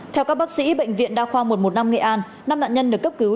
theo các bác sĩ bệnh viện đa khoa một trăm một mươi năm nghệ an năm nạn nhân được cấp cứu